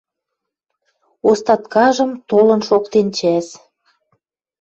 Остаткажым толын шоктен чӓс.